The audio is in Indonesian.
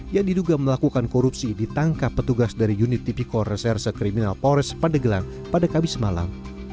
yang diduga melakukan korupsi ditangkap petugas dari unit tipikal reserse kriminal pores pandegelang pada khabis malang